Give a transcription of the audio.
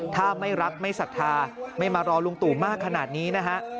ถ้าไม่รักไม่ศรัทธาไม่มารอลุงตู่มากขนาดนี้นะฮะ